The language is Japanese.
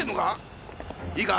いいか？